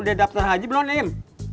lu udah daftar haji belum im